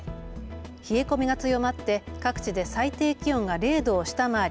冷え込みが強まって各地で最低気温が０度を下回り